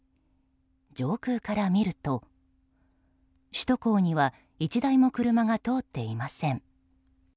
上空から見ると、首都高には１台も車が通っていません。